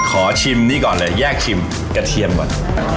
ขอชิมนี้ก่อนเลยแยกชิมกระเทียมก่อน